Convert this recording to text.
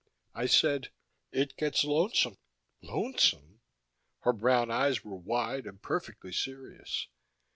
I said, "It gets lonesome." "Lonesome?" Her brown eyes were wide and perfectly serious.